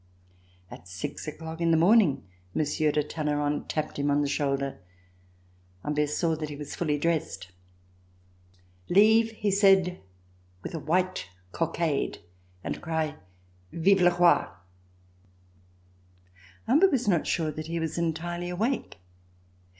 At six o'clock in the morning. Monsieur de Talleyrand tapped him on the shoulder. Humbert saw that he was fully dressed. *' Leave," he said, "with a white cockade, and cr\ 'Vive le Roil' " Humbert was not sure that he was entirely awake.